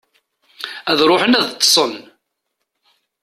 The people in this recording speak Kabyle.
Ad ruḥen ad ṭṭsen.